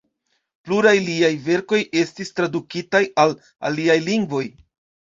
Pluraj liaj verkoj estis tradukitaj al aliaj lingvoj.